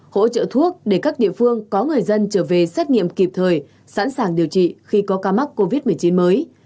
hỗ trợ thuốc để các địa phương có người dân trở về xét nghiệm kịp thời sẵn sàng điều trị khi có ca mắc covid một mươi chín mới